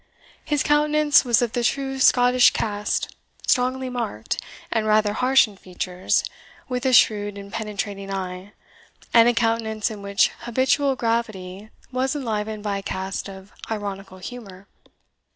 His countenance was of the true Scottish cast, strongly marked, and rather harsh in features, with a shrewd and penetrating eye, and a countenance in which habitual gravity was enlivened by a cast of ironical humour.